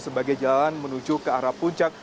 sebagai jalan menuju ke arah puncak